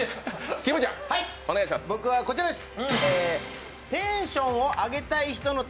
僕はこちらです。